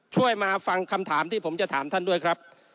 ช่วยมาฟังคำถามที่ผมจะถามท่านด้วยครับ